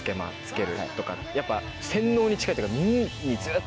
やっぱ洗脳に近いってか。